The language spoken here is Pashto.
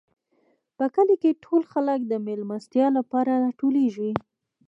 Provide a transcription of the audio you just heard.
په کلي کې ټول خلک د مېلمستیا لپاره راټولېږي.